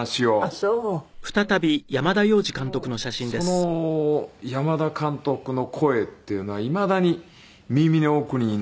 その山田監督の声っていうのはいまだに耳の奥に残っていますね。